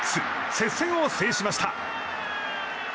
接戦を制しました。